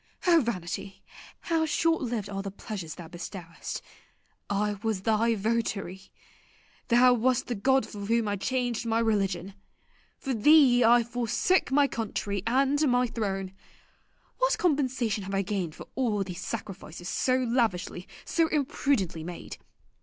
O vanity, how short lived are the pleasures thou bestowest! I was thy votary. Thou wast the god for whom I changed my religion. For thee I forsook my country and my throne. What compensation have I gained for all these sacrifices so lavishly, so imprudently made?